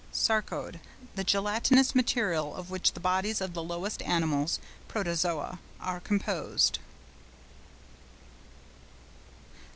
SARCODE.—The gelatinous material of which the bodies of the lowest animals (Protozoa) are composed.